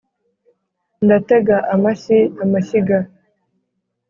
ndatega amashyi amashyiga